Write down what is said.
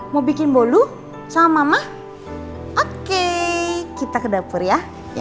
mau bikin bolu sama mama oke kita ke dapur ya